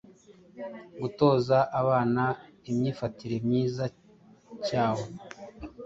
gutoza abana imyifatire myiza cyae.